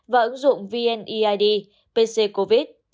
và ứng dụng vneid pc covid